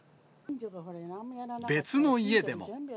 別の家でも。